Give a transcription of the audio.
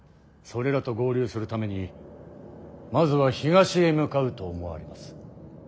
それらと合流するためにまずは東へ向かうと思われます。